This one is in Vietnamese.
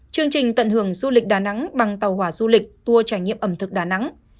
chương trình tận hưởng du lịch đà nẵng bằng tàu hỏa du lịch tour trải nghiệm ẩm thực đà nẵng